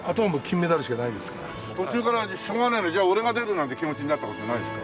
途中から「しょうがねえな。じゃあ俺が出る」なんて気持ちになった事ないですか？